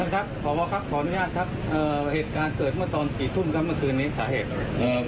ครับขอบคุณครับขออนุญาตครับเหตุการณ์เกิดมาตอนกี่ทุ่มกันเมื่อคืนนี้สาเหตุ